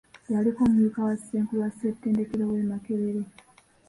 Yaliko omumyuka wa Ssenkulu wa ssettendekero w’e Makerere.